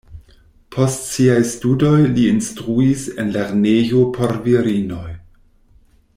Post siaj studoj li instruis en lernejo por virinoj.